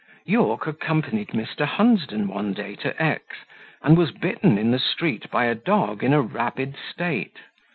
Yorke accompanied Mr. Hunsden one day to X , and was bitten in the street by a dog in a rabid state.